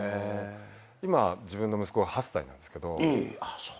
今自分の息子は８歳なんですけど。えそう。